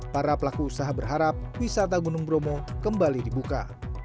para pelaku usaha berharap wisata gunung bromo kembali dibuka